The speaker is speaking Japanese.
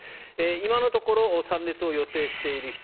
今のところ参列を予定している人